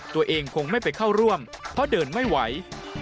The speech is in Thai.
ตัวเองคงไม่ไปเข้าร่วมเพราะเดินไม่ไหว